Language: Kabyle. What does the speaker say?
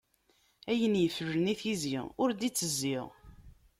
Ayen yiflen i tizi, ur d-itezzi.